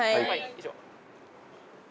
以上。